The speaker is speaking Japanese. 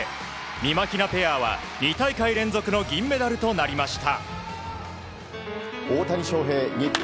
みまひなペアは２大会連続の銀メダルとなりました。